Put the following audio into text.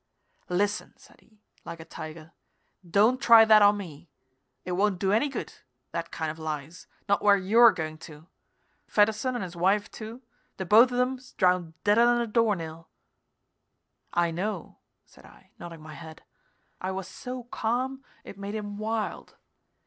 "Listen," said he, like a tiger. "Don't try that on me. It won't do any good that kind of lies not where you're going to. Fedderson and his wife, too the both of 'em's drowned deader 'n a door nail." "I know," said I, nodding my head. I was so calm it made him wild.